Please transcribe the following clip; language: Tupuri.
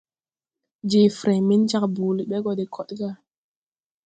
Je freŋ men jāg boole ɓɛ go de kod gà.